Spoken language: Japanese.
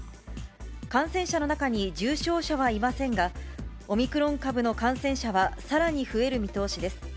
感染者の中に重症者はいませんが、オミクロン株の感染者はさらに増える見通しです。